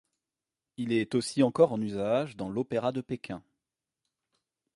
Il est aussi encore en usage dans l'Opéra de Pékin.